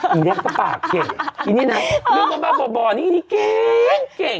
อันนี้ก็ปากเก่งเรื่องบ้าบ่อนี้เก่ง